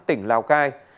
tỉnh lào cai